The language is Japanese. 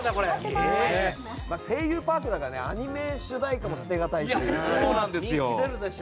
「声優パーク」だからアニメ主題歌も捨てがたいし。